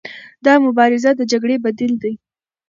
دا مبارزه د جګړې بدیل دی.